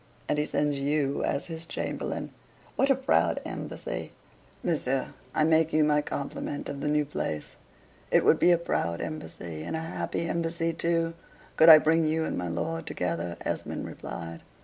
And he sends YOU as his chamberlain! What a proud embassy! Monsieur, I make you my compliment of the new place." "It would be a proud embassy, and a happy embassy too, could I bring you and my lord together," Esmond replied.